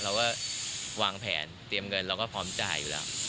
เราก็วางแผนเตรียมเงินเราก็พร้อมจ่ายอยู่แล้ว